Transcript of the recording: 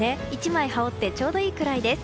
１枚羽織ってちょうどいいくらいです。